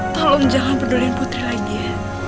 tolong jangan peduli putri lagi ya